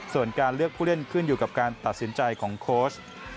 ส่วนการเลือกผู้เล่นขึ้นอยู่กับการตัดสินใจของโค้ช